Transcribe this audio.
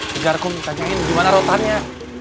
tengkar kum tanyain gimana rotannya